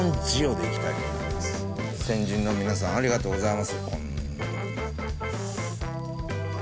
先人の皆さんありがとうございます。